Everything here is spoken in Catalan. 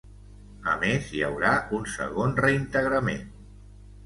A més, hi haurà un segon reintegrament.